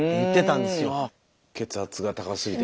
血圧が高すぎて。